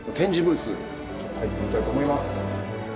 入ってみたいと思います。